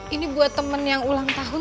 ini buat temen yang ulang tahun